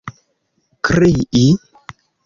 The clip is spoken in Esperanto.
krii